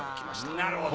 なるほど。